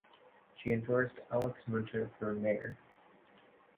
She endorsed Alex Munter for mayor.